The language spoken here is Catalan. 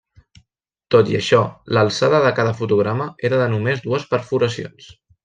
Tot i això, l'alçada de cada fotograma era de només dues perforacions.